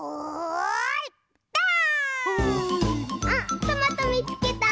あトマトみつけた！